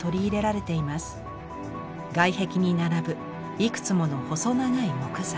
外壁に並ぶいくつもの細長い木材。